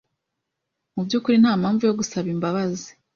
Mu byukuri nta mpamvu yo gusaba imbabazi.